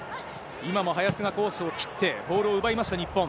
今も林がコースを切って、ボールを奪いました、日本。